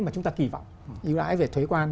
mà chúng ta kỳ vọng ưu đãi về thuế quan